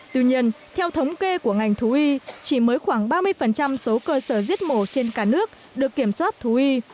tuy nhiên theo thống kê của ngành thú y chỉ mới khoảng ba mươi số cơ sở giết mổ trên cả nước được kiểm soát thú y